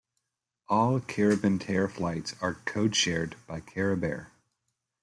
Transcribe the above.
All Caribintair flights are codeshared by Caribair.